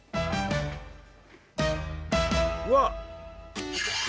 うわっ！